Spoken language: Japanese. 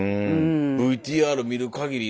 ＶＴＲ見るかぎり